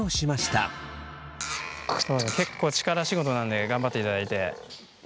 結構力仕事なんで頑張っていただいて。